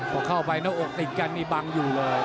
พอเข้าไปหน้าอกติดกันนี่บังอยู่เลย